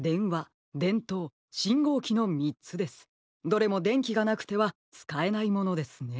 どれもでんきがなくてはつかえないものですね。